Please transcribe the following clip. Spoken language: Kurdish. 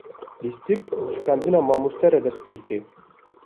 Lîstik bi fîkandina mamoste re dest pê dike.